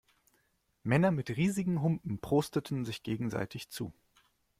Männer mit riesigen Humpen prosteten sich gegenseitig zu.